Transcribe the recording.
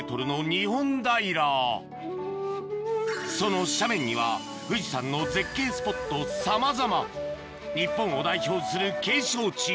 その斜面には富士山の絶景スポットさまざま日本を代表する景勝地